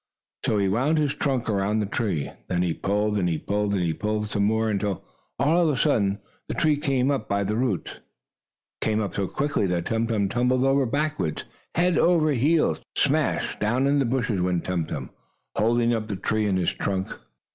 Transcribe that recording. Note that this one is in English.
So he wound his trunk around the tree. Then he pulled and he pulled and he pulled some more until, all of a sudden, the tree came up by the roots. It came up so quickly that Tum Tum tumbled over backwards, head over heels. "Smash!" down in the bushes went Tum Tum, holding up the tree in his trunk.